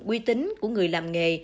quy tính của người làm nghề